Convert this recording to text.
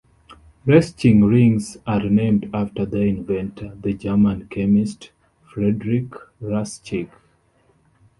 Raschig rings are named after their inventor, the German chemist Friedrich Raschig.